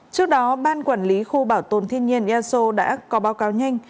trước đó ban quản lý khu bảo tồn thiên nhiên eso đã có báo cáo nhanh